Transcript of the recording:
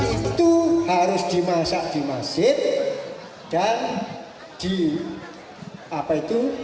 itu harus dimasak di masjid dan dimakan